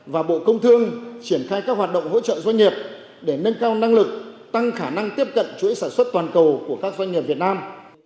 và bộ công thương triển khai các hoạt động hỗ trợ doanh nghiệp để nâng cao năng lực tăng khả năng tiếp cận chuỗi sản xuất toàn cầu của các doanh nghiệp việt nam